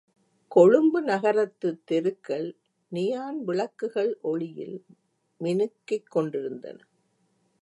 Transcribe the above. கொழும்பு நகரத்துத் தெருக்கள் நியான் விளக்குகள் ஒளியில் மினுக்கிக் கொண்டிருந்தன.